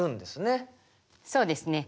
そうですね。